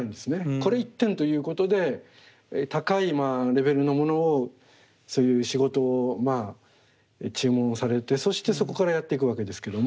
これ１点ということで高いレベルのものをそういう仕事を注文されてそしてそこからやっていくわけですけども。